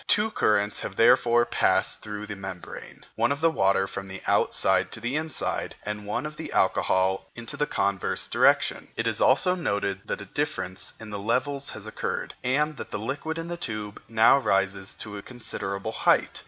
Two currents have therefore passed through the membrane, one of water from the outside to the inside, and one of alcohol in the converse direction. It is also noted that a difference in the levels has occurred, and that the liquid in the tube now rises to a considerable height.